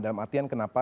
dalam artian kenapa